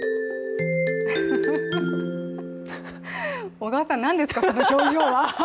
小川さん、何ですかその表情は。